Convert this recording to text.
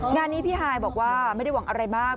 งานนี้พี่ฮายบอกว่าไม่ได้หวังอะไรมาก